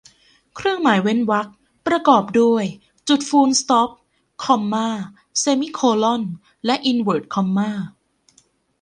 เครื่องหมายเว้นวรรคประกอบด้วย จุดฟูลสต๊อป คอมม่า เซมิโคล่อน และอินเวิร์ทคอมม่า